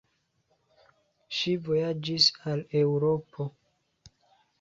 Ŝi vojaĝis al Eŭropo.